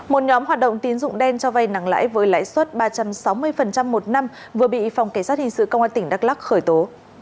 một nhóm hoạt động tín dụng đen cho vay nặng lãi với lãi suất ba trăm sáu mươi một năm vừa bị phòng cảnh sát hình sự công an tỉnh đắk lắc khởi tố